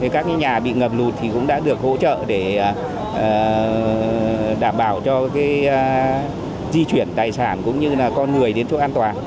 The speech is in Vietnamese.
các nhà bị ngập lụt cũng đã được hỗ trợ để đảm bảo cho di chuyển tài sản cũng như là con người đến chỗ an toàn